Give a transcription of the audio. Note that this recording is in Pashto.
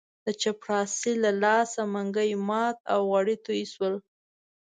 د چپړاسي له لاسه منګی مات او غوړي توی شول.